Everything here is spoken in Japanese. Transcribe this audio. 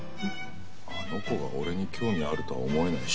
あの子が俺に興味あるとは思えないし。